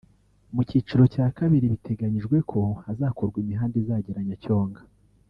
Mu cyiciro cya kabiri biteganyijwe ko hazakorwa imihanda izagera Nyacyonga